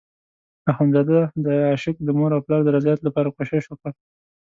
اخندزاده د عاشق د مور او پلار د رضایت لپاره کوشش وکړ.